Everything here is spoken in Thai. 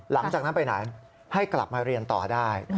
หลังจากนั้นไปไหนให้กลับมาเรียนต่อได้